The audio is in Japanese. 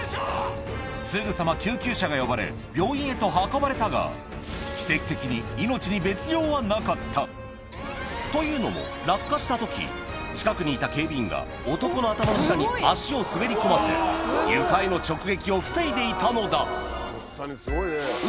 すぐさま救急車が呼ばれ病院へと運ばれたがというのも落下した時近くにいた警備員が男の頭の下に足を滑り込ませ床への直撃を防いでいたのだ運